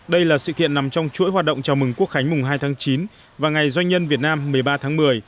đây là sự kiện nằm trong chuỗi hoạt động chào mừng quốc khánh mùng hai tháng chín và ngày doanh nhân việt nam một mươi ba tháng một mươi